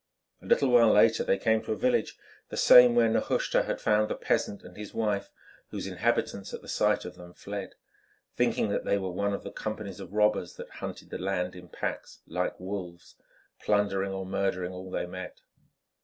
A little while later they came to a village, the same where Nehushta had found the peasant and his wife, whose inhabitants, at the sight of them, fled, thinking that they were one of the companies of robbers that hunted the land in packs, like wolves, plundering or murdering all they met.